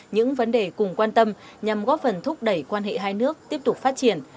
những vấn đề cùng quan tâm nhằm góp phần thúc đẩy quan hệ hai nước tiếp tục phát triển